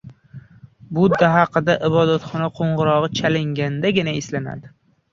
• Budda haqida ibodatxona qo‘ng‘irog‘i chalingandagina eslanadi.